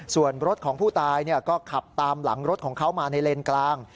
ส่วนรถของผู้ตายก็ขับตามหลังรถของเขามาในเลนกลาง